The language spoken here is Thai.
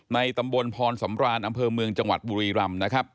ตำบลพรสำรานอำเภอเมืองจังหวัดบุรีรำนะครับ